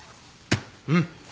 うん。